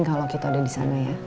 kalau kita udah disana ya